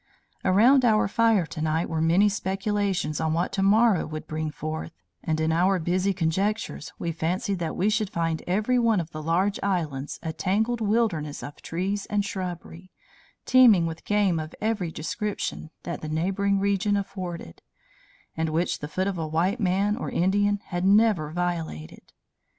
Around our fire tonight were many speculations on what tomorrow would bring forth; and in our busy conjectures we fancied that we should find every one of the large islands a tangled wilderness of trees and shrubbery, teeming with game of every description that the neighboring region afforded, and which the foot of a white man or Indian had never violated.